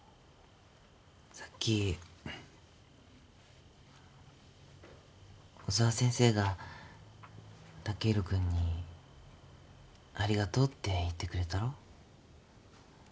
さっき小沢先生が剛洋君に「ありがとう」って言ってくれたろう？